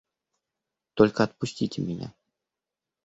– Только отпустите меня.